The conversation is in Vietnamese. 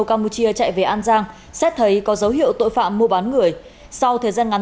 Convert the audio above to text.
campuchia chạy về an giang xét thấy có dấu hiệu tội phạm mua bán người sau thời gian ngắn